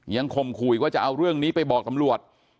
ยังคมคุยว่าจะเอาเรื่องนี้ไปบอกตำรวจ